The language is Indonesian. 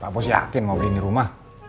pak bos yakin mau beli ini rumah